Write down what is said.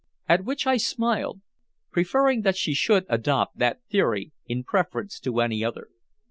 At which I smiled, preferring that she should adopt that theory in preference to any other.